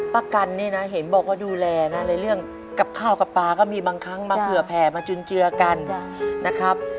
ประกันนี่นะเห็นบอกว่าดูแลนะในเรื่องกับข้าวกับปลาก็มีบางครั้งมาเผื่อแผ่มาจุนเจือกันนะครับ